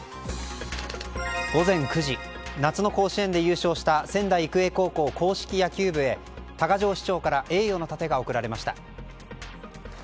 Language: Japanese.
午前９時夏の甲子園で優勝した仙台育英高校硬式野球部へ多賀城市長から栄誉の楯が贈られました。